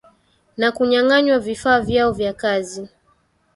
na kunyang anywa vifaa vyao vya kazi